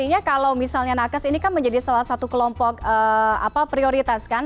artinya kalau misalnya nakes ini kan menjadi salah satu kelompok prioritas kan